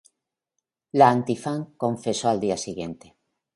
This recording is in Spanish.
La anti fan confesó al día siguiente.